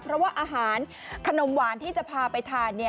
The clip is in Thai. เพราะว่าอาหารขนมหวานที่จะพาไปทาน